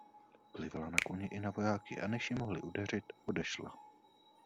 Plivala na koně i na vojáky a než ji mohli udeřit, odešla.